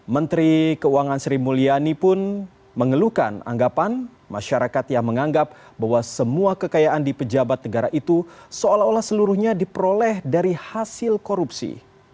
menteri keuangan sri mulyani pun mengeluhkan anggapan masyarakat yang menganggap bahwa semua kekayaan di pejabat negara itu seolah olah seluruhnya diperoleh dari hasil korupsi